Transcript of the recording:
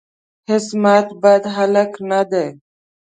عصمت بد هلک نه دی.